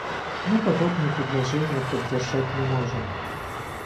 Мы подобные предложения поддержать не можем.